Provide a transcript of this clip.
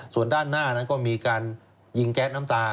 ส่วนด้านหน้านั้นก็มีการยิงแก๊สน้ำตา